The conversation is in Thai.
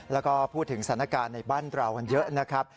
แล้วก็พูดถึงสถานการณ์ในบ้านเรากันเยอะนะครับ